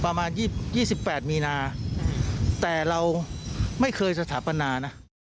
ประมาณ๒๘มีนาแต่เราไม่เคยสถาปนานะ